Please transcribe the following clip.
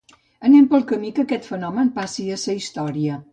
Anem pel camí que aquest fenomen passi a ser història.